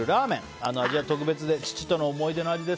あの味は特別で父との思い出の味です。